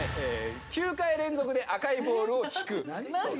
９回連続で赤いボールを引く。